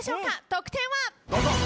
得点は。